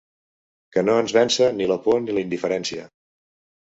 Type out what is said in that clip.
Que no ens vença ni la por ni la indiferència.